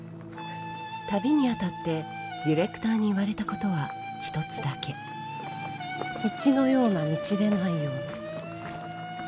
旅にあたってディレクターに言われた事は一つだけ道のような道でないような。